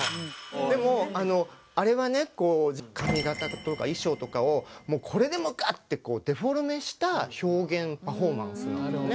でもあのあれはねこう髪型とか衣装とかをもうこれでもかってこうデフォルメした表現パフォーマンスなのね。